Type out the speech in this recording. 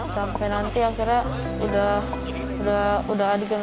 sampai nanti akhirnya udah adegan